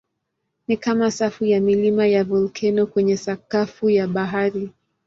Ni kama safu ya milima ya volkeno kwenye sakafu ya bahari.